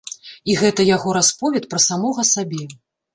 І гэта яго расповед пра самога сабе.